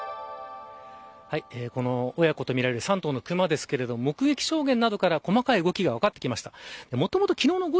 親子とみられる３頭の熊ですが目撃証言などから細かい動きが分かってきました。